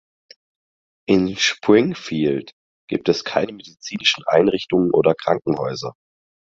In Springfield gibt es keine medizinischen Einrichtungen oder Krankenhäuser.